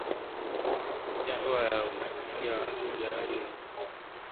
kuanzia ndoa za watu wa jinsia moja hadi kuwahukumu